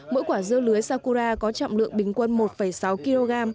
mỗi quả dưa lưới sakura có trọng lượng bình quân một sáu kg